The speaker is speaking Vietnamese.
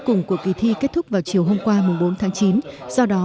cùng của kỳ thi kết thúc vào chiều hôm qua bốn tháng chín do đó